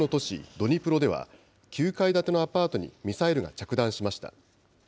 ドニプロでは、９階建てのアパートにミサイルが着弾しました。